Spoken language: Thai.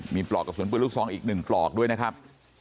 มีปลอกกระสุนปืนลูกซองอีก๑ปลอกด้วยนะครับ